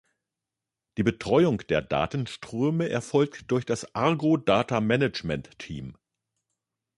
Die Betreuung der Datenströme erfolgt durch das "Argo Data Management Team.